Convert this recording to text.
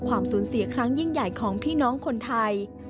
ความสูญเสียครั้งยิ่งใหญ่ของพี่น้องคนไทย